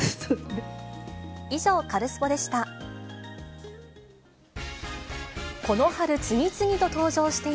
以上、カルスポっ！でした。